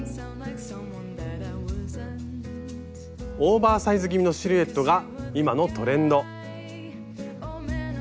オーバーサイズ気味のシルエットが今のトレンド。